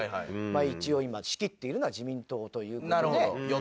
一応今仕切っているのは自民党という事で。